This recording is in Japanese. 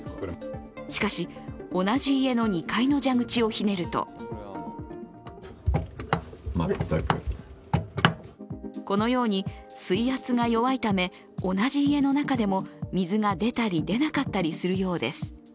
しかし同じ家の２階の蛇口をひねるとこのように水圧が弱いため同じ家の中でも水が出たり、出なかったりするようです。